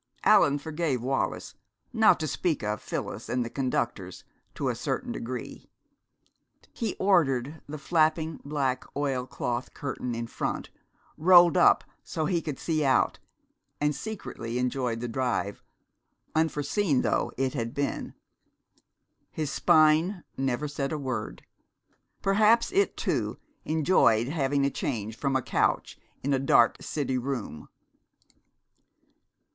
Allan forgave Wallis, not to speak of Phyllis and the conductors, to a certain degree. He ordered the flapping black oilcloth curtain in front rolled up so he could see out, and secretly enjoyed the drive, unforeseen though it had been. His spine never said a word. Perhaps it, too, enjoyed having a change from a couch in a dark city room.